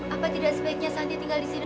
apa tidak sebaiknya santi tinggal disini